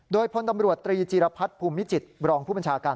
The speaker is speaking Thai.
โดยพลตำรวจตรีจีรพัฒน์ภูมิจิตรองผู้บัญชาการ